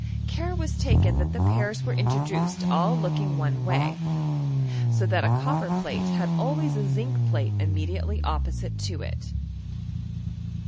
Care was taken that the pairs were introduced all looking one way, ■o that a copper plate had al¥rays a zinc plate im mediately opposite to it.